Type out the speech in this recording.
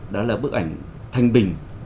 đó là bức ảnh thanh bình